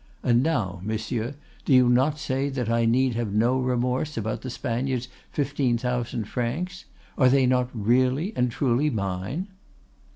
—And now, monsieur, do not you say that I need have no remorse about the Spaniard's fifteen thousand francs? Are they not really and truly mine?